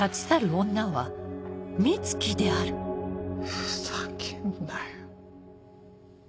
ふざけんなよ。